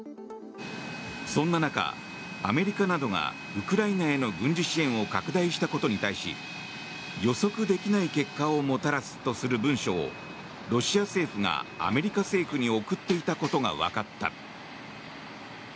そんな中、アメリカなどがウクライナへの軍事支援を拡大したことに対し予測できない結果をもたらすとする文書をロシア政府がアメリカ政府に送っていたことが分かった。